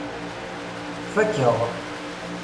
Fakeɣ.